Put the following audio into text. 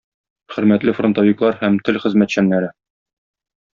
Хөрмәтле фронтовиклар һәм тыл хезмәтчәннәре!